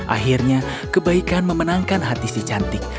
akhirnya kebaikan memenangkan hati si cantik